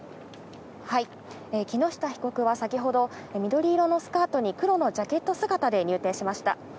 木下被告は先ほど、緑色のスカートに黒のジャケット姿で入廷しました。